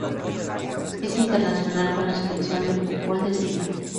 Es internacional con la Selección de fútbol de Siria.